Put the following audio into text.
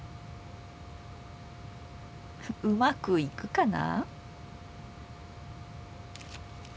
うまくいくかな。